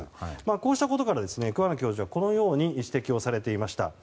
こうしたことから桑名教授はこのように指摘されていました。